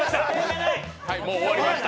もう終わりました。